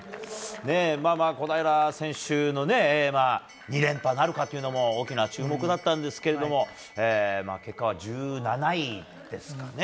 小平選手の２連覇なるかというのも大きな注目だったんですが結果は１７位ですか。